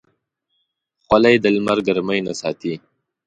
خولۍ د لمر ګرمۍ نه ساتي.